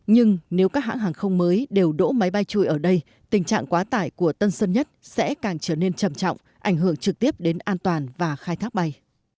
nhưng nếu các hãng hàng không mới đều đổ máy bay chui ở đây tình trạng quá tải của tân sơn nhất sẽ càng trở nên trầm trọng ảnh hưởng trực tiếp đến an toàn và khai thác bay